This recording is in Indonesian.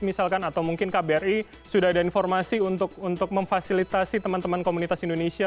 misalkan atau mungkin kbri sudah ada informasi untuk memfasilitasi teman teman komunitas indonesia